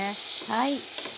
はい。